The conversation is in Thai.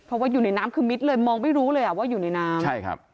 เพราะว่าอยู่ในน้ำคือมิตรเลยมองไม่รู้เลยว่าอยู่ในน้ำ